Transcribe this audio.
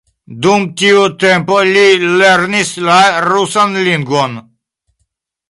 Dum tiu tempo li lernis la rusan lingvon.